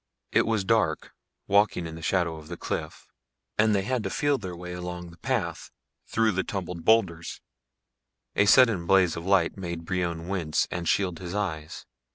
It was dark walking in the shadow of the cliff and they had to feel their way along a path through the tumbled boulders. A sudden blaze of light made Brion wince and shield his eyes.